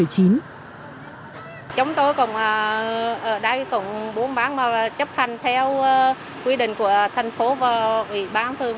chúng tôi cũng ở đây cũng muốn bán và chấp hành theo quy định của thành phố và quỷ bán phương